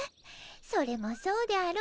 それもそうであろう。